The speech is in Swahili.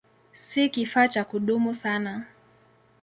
Si kifaa cha kudumu sana.